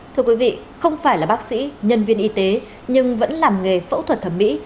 thưa quý vị không phải là bác sĩ nhân viên y tế nhưng vẫn làm nghề phẫu thuật thẩm mỹ